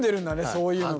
そういうのが。